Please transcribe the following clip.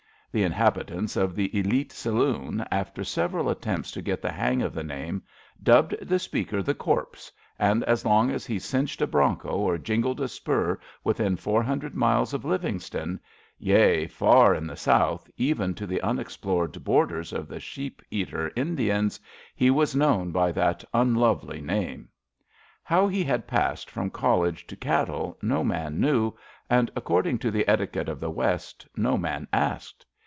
The inhabitants of the Elite Saloon, after several attempts to get the hang of the name, dubbed the speaker The Corpse, and as long as he cinched a broncho or jingled a spur within four hundred miles of Livingston — ^yea, far in the south, even to the unexplored borders of the sheep eater Indians — ^he was known by that unlovely name. How he had passed from college to cattle no man knew, and, according to the etiquette of the West, no man asked.